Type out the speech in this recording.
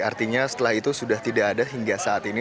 artinya setelah itu sudah tidak ada hingga saat ini